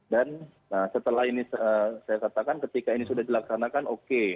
dan setelah ini saya katakan ketika ini sudah dilaksanakan oke